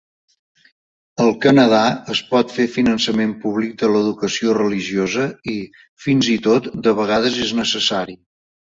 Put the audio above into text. Al Canadà, es pot fer finançament públic de l'educació religiosa i, fins i tot, de vegades és necessari.